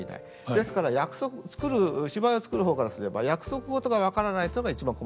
ですから芝居を作る方からすれば約束事が分からないというのが一番困るわけです。